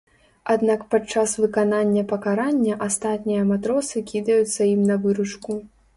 Аднак падчас выканання пакарання астатнія матросы кідаюцца ім на выручку.